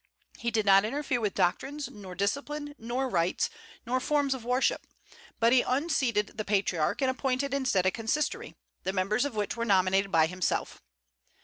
He did not interfere with doctrines, nor discipline, nor rites, nor forms of worship; but he unseated the Patriarch, and appointed instead a consistory, the members of which were nominated by himself.